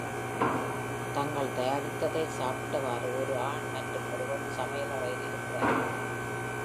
தங்கள் தயாரித்ததை சாப்பிட்டவாறு ஒரு ஆண் மற்றும் ஒரு பெண் சமையலறையில் இருக்கிறார்கள்.